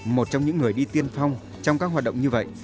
một trong những người đi tiên phong trong các hoạt động như vậy